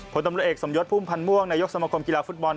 ตำรวจเอกสมยศพุ่มพันธ์ม่วงนายกสมคมกีฬาฟุตบอล